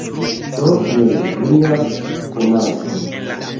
Do jen mia homaĉo.